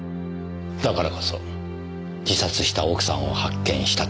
だからこそ自殺した奥さんを発見した時。